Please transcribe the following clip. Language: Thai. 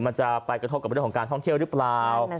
มันจะไปกระทบกับเรื่องของการท่องเที่ยวหรือเปล่า